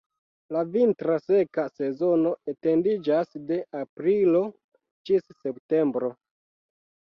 La vintra seka sezono etendiĝas de aprilo ĝis septembro.